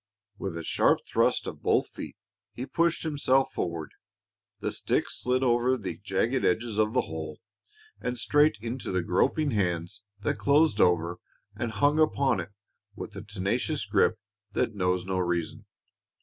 With a sharp thrust of both feet, he pushed himself forward. The stick slid over the jagged edges of the hole and straight into the groping hands that closed over and hung upon it with the tenacious grip that knows no reason.